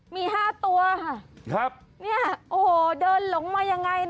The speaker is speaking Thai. มี๕ตัวค่ะโอ้โหเดินหลงมายังไง